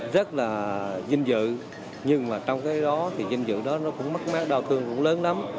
rất là vinh dự nhưng mà trong cái đó thì danh dự đó nó cũng mất mát đau thương cũng lớn lắm